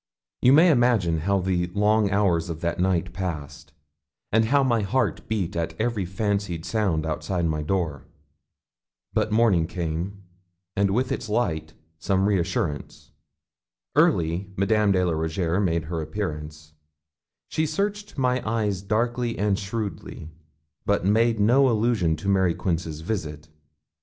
You may imagine how the long hours of that night passed, and how my heart beat at every fancied sound outside my door. But morning came, and with its light some reassurance. Early, Madame de la Rougierre made her appearance; she searched my eyes darkly and shrewdly, but made no allusion to Mary Quince's visit.